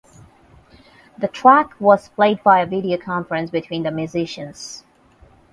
The track was played via video conference between the musicians.